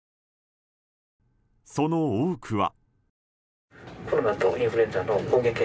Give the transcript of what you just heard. その多くは。